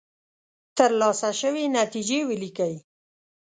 ترلاسه شوې نتیجې ولیکئ.